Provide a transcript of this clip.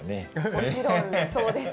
もちろん、そうです。